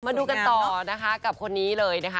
มาดูกันต่อนะคะกับคนนี้เลยนะคะ